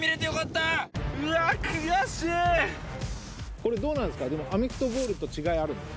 これどうなんですか？